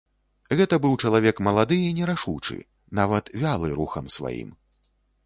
Гэта быў чалавек малады і нерашучы, нават вялы рухам сваім.